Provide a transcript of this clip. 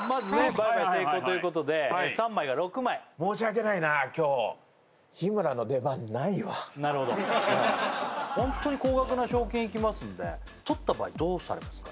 倍買成功ということで３枚が６枚申し訳ないなあ今日なるほどホントに高額な賞金いきますんでとった場合どうされますか？